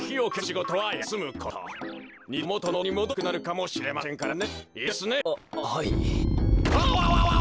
にどともとのおおきさにもどれなくなるかもしれませんからね。